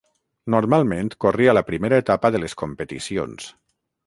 Normalment corria la primera etapa de les competicions.